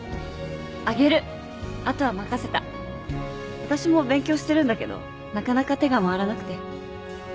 私も勉強してるんだけどなかなか手が回らなくて。